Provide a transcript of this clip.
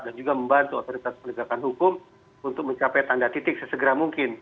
dan juga membantu otoritas penegakan hukum untuk mencapai tanda titik sesegera mungkin